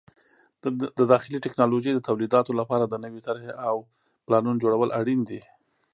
د داخلي ټکنالوژۍ د تولیداتو لپاره د نوې طرحې او پلانونو جوړول اړین دي.